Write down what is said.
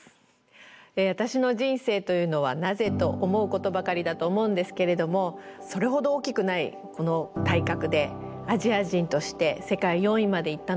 私の人生というのはなぜと思うことばかりだと思うんですけれどもそれほど大きくないこの体格でアジア人として世界４位まで行ったのはなぜなんだろうか？